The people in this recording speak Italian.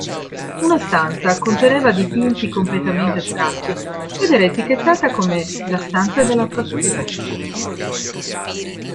Una stanza conteneva dipinti completamente astratti ed era etichettata come "la stanza della pazzia".